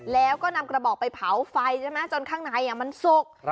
แล้วก็นำกระบอกไปเผาไฟใช่ไหมจนข้างในมันสุก